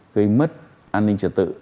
gây mất an ninh trật tự